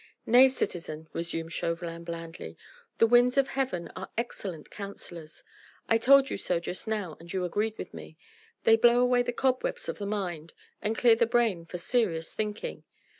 "Nay, citizen," resumed Chauvelin blandly, "the winds of heaven are excellent counsellors. I told you so just now and you agreed with me. They blow away the cobwebs of the mind and clear the brain for serious thinking.